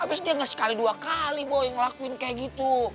abis itu dia gak sekali dua kali boy yang ngelakuin kayak gitu